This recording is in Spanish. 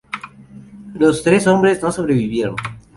Los tres hombres no sobrevivieron.